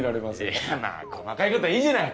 いやまあ細かいこといいじゃない。